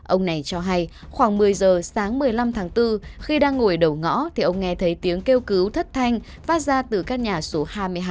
ông này cho hay khoảng một mươi giờ sáng một mươi năm tháng bốn khi đang ngồi đầu ngõ thì ông nghe thấy tiếng kêu cứu thất thanh phát ra từ căn nhà số hai mươi hai